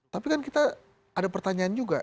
tapi kan kita ada pertanyaan juga